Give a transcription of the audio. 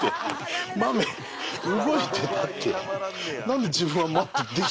動いてたって。